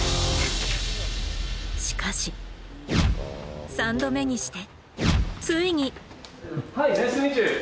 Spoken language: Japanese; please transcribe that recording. しかし３度目にしてついに！